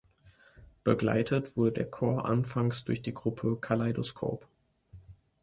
Begleitet wurde der Chor anfangs durch die Gruppe "Kaleidoskop".